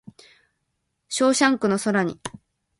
ショーシャンクの空に